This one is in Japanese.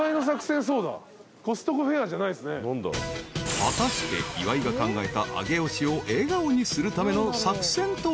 ［果たして岩井が考えた上尾市を笑顔にするための作戦とは］